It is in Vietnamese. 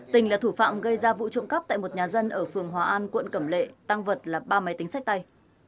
tình là thủ phạm gây ra vụ trộm cắp tại một nhà dân ở phường hòa an quận cẩm lệ tăng vật là ba máy tính sách tay